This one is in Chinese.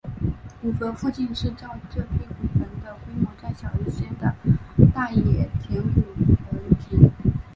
古坟附近是较这批古坟的规模再小一些的大野田古坟群。